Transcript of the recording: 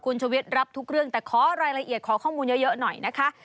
คุณชวิตรับทุกเรื่องแต่ขอรายละเอียดขอข้อมูลเยอะหน่อยนะคะ